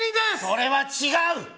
それは違う！